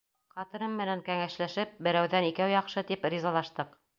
Ҡатыным менән кәңәшләшеп, берәүҙән икәү яҡшы, тип ризалаштыҡ.